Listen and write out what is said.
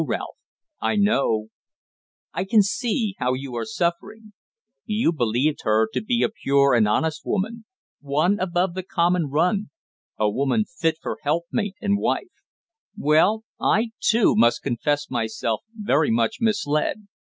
"No, Ralph; I know I can see how you are suffering. You believed her to be a pure and honest woman one above the common run a woman fit for helpmate and wife. Well, I, too, must confess myself very much misled.